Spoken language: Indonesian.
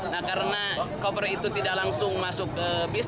nah karena koper itu tidak langsung masuk ke bis